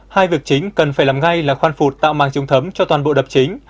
hai việc chính cần phải làm ngay là khoan phụt tạo màng trung thấm cho toàn bộ đập chính